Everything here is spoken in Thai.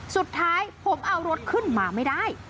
สุดท้ายผมเอารถขึ้นมาไม่ได้